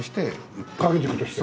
掛け軸として？